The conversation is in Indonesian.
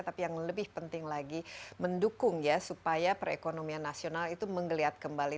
tapi yang lebih penting lagi mendukung ya supaya perekonomian nasional itu menggeliat kembali